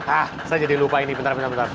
ah saya jadi lupa ini bentar bentar bentar